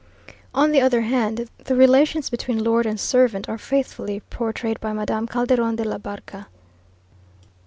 On the other hand, the relations between lord and servant are faithfully portrayed by Madame Calderon de la Barca.